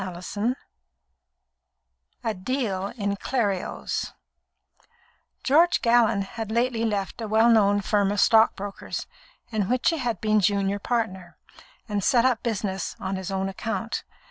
CHAPTER III A Deal in Clerios George Gallon had lately left a well known firm of stockbrokers, in which he had been junior partner, and set up business on his own account.